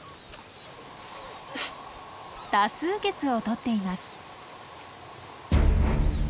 多数決をとっています。